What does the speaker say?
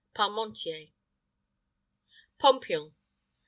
PARMENTIER. POMPION.